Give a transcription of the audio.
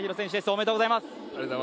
おめでとうございます。